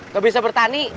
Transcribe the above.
gak bisa bertani